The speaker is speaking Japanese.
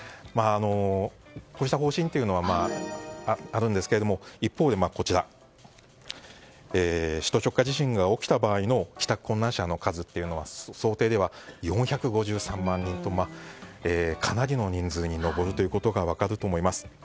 こうした方針というのはあるんですけど、一方で首都直下地震が起きた場合の帰宅困難者の数は想定では４５３万人とかなりの人数に上ることが分かると思います。